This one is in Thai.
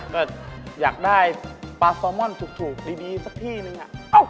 ก็อยากได้ปลาซอมอนถูกดีสักที่นึง